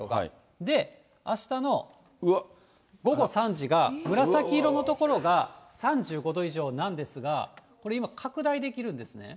で、あしたの午後３時が、紫色の所が３５度以上なんですが、これ、今、拡大できるんですね。